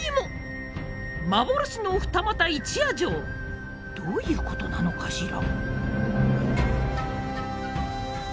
「まぼろしの『二俣一夜城』」。どういうことなのかしら？